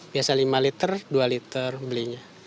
biasa lima liter dua liter belinya